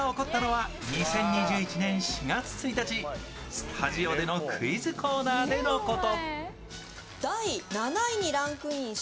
スタジオでのクイズコーナーでのこと。